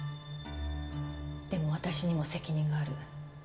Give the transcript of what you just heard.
でも私にも責任がある。